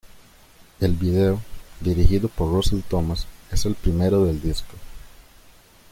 El vídeo, dirigido por Russel Thomas, es el primero del disco.